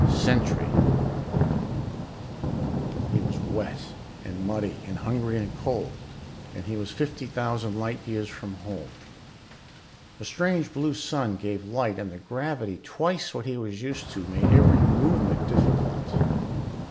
Sentry He was wet and muddy and hungry and cold, and he was fifty thousand light years from home. A strange blue sun gave light and the gravity, twice what he was used to, made every movement difficult.